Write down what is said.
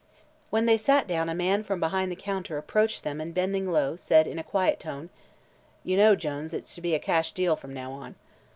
When they sat down a man from behind the counter approached them and bending low said in a quiet tone: "You know, Jones, it's to be a cash deal from now on."